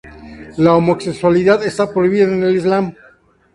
La homosexualidad está prohibida en el islam.